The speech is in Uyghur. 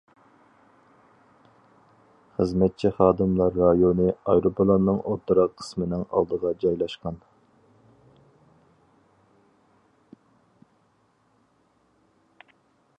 خىزمەتچى خادىملار رايونى ئايروپىلاننىڭ ئوتتۇرا قىسمىنىڭ ئالدىغا جايلاشقان.